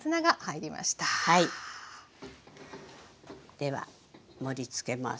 では盛りつけます。